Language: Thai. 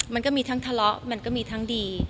มันก็มีทั้งทะเลาะมันก็มีทั้งดี